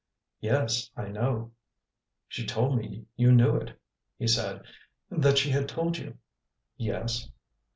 "Yes, I know." "She told me you knew it," he said, " that she had told you." "Yes."